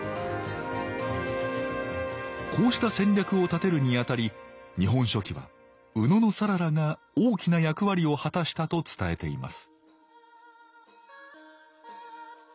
こうした戦略を立てるにあたり「日本書紀」は野讃良が大きな役割を果たしたと伝えています